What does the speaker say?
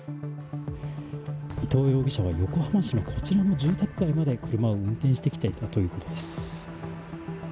伊藤容疑者は横浜市のこちらの住宅街まで車を運転してきていたということです。